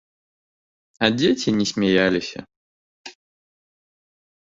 А дзеці не смяяліся.